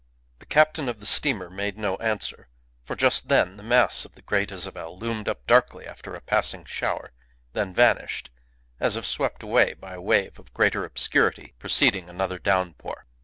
The captain of the steamer made no answer, for just then the mass of the Great Isabel loomed up darkly after a passing shower, then vanished, as if swept away by a wave of greater obscurity preceding another downpour.